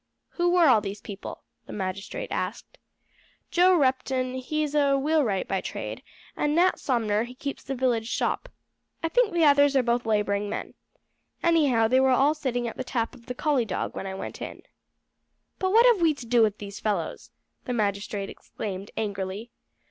"Who were all these people?" the magistrate asked. "Joe Repton, he is a wheelwright by trade, and Nat Somner he keeps the village shop. I think the others are both labouring men. Anyhow they were all sitting at the tap of the Collie Dog when I went in." "But what have we to do with these fellows?" the magistrate exclaimed angrily.